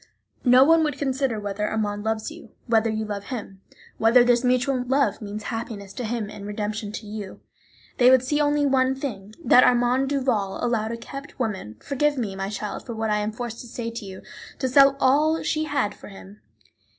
No one would consider whether Armand loves you, whether you love him, whether this mutual love means happiness to him and redemption to you; they would see only one thing, that Armand Duval allowed a kept woman (forgive me, my child, for what I am forced to say to you) to sell all she had for him.